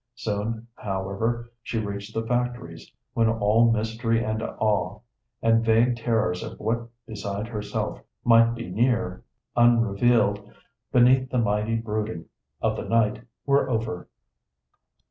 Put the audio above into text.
Soon, however, she reached the factories, when all mystery and awe, and vague terrors of what beside herself might be near unrevealed beneath the mighty brooding of the night, were over.